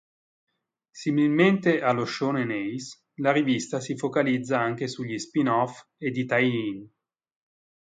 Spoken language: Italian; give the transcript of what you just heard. Similmente allo "Shōnen Ace", la rivista si focalizza anche sugli spin-off ed i tie-in.